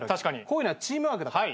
こういうのはチームワークだから。